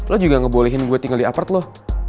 lo juga ngebolehin gue tinggal di apart loh